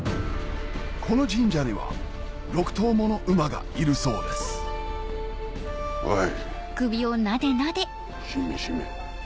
この神社には６頭もの馬がいるそうですあっ